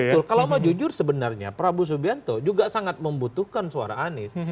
betul kalau mau jujur sebenarnya prabowo subianto juga sangat membutuhkan suara anies